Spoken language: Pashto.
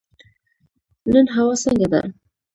نن هوا څنګه ده؟